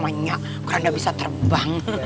banyak kerendah bisa terbang